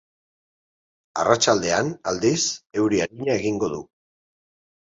Arratsaldean, aldiz, euri arina egingo du.